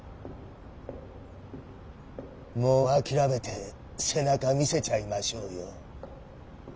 ・もう諦めて背中見せちゃいましょうよォ。